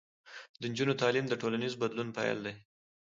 د نجونو تعلیم د ټولنیز بدلون پیل دی.